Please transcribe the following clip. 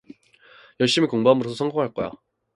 열실히 공부함으로써 성공할 거야